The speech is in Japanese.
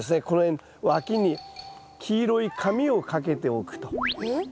この辺わきに黄色い紙をかけておくと。